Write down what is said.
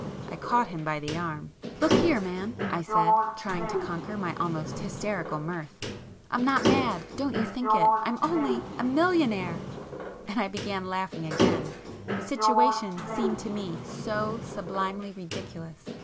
I caught him by the arm. "Look here man," I said, trying to conquer my almost hysterical mirth—"I'm not mad—don't you think it,—I'm only a—millionaire!" And I began laughing again; the situation seemed to me so sublimely ridiculous.